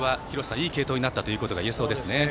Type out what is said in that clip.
いい継投になったということが言えそうですね。